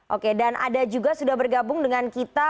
oke dan ada juga sudah bergabung dengan kita